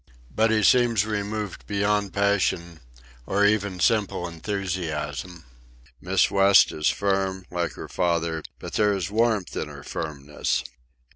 But he seems removed beyond passion, or even simple enthusiasm. Miss West is firm, like her father; but there is warmth in her firmness.